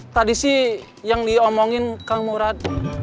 tadi sih yang diomongin kang murad